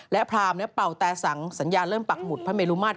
และพรามเป่าแต่สังสัญญาเริ่มปักหมุดพระเมลุมาตร